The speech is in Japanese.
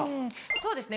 そうですね